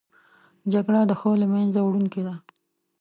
جګړه د ښو له منځه وړونکې ده